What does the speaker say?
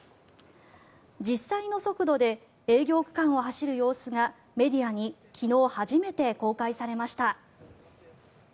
実際の速度で営業区間を走る様子がメディアに昨日初めて公開されました。